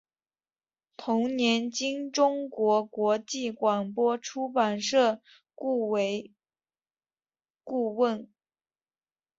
同年经中国国际广播出版社雇为顾问。